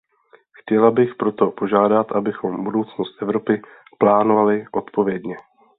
Chtěla bych proto požádat, abychom budoucnost Evropy plánovali odpovědně.